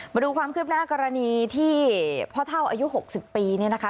มาดูความคืบหน้ากรณีที่พ่อเท่าอายุ๖๐ปีเนี่ยนะคะ